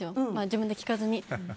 自分で聞かずに。